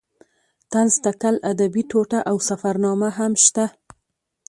طنز تکل ادبي ټوټه او سفرنامه هم شته.